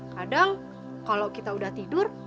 kadang kalau kita udah tidur